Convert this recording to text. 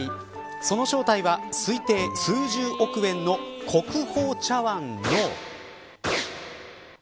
その正体は推定数十億円の国宝茶わんの。